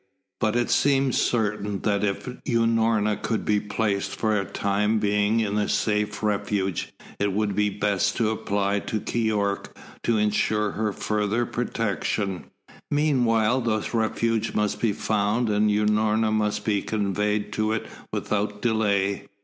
But it seemed certain that if Unorna could be placed for the time being in a safe refuge, it would be best to apply to Keyork to insure her further protection. Meanwhile that refuge must be found and Unorna must be conveyed to it without delay.